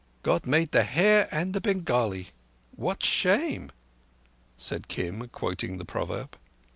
"God made the Hare and the Bengali. What shame?" said Kim, quoting the proverb.